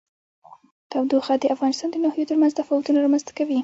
تودوخه د افغانستان د ناحیو ترمنځ تفاوتونه رامنځ ته کوي.